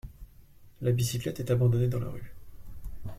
La bicyclette est abandonnée dans la rue.